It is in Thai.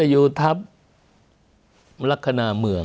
ยูทัพลักษณะเมือง